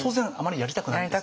やりたくないんだ。